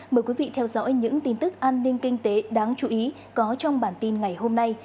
mời quý vị theo dõi những tin tức an ninh kinh tế đáng chú ý có trong bản tin ngày hôm nay